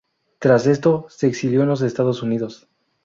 Tras esto, se exilió en los Estados Unidos.